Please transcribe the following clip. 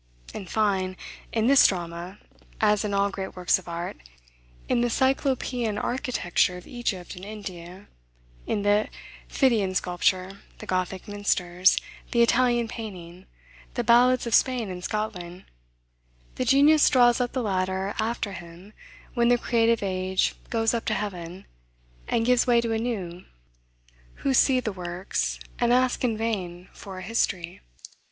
In fine, in this drama, as in all great works of art, in the Cyclopaean architecture of Egypt and India; in the Phidian sculpture; the Gothic minsters; the Italian painting; the Ballads of Spain and Scotland, the Genius draws up the ladder after him, when the creative age goes up to heaven, and gives way to a new, who see the works, and ask in vain for a history.